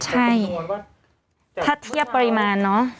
ใช่ถ้าเทียบปริมาณเนอะ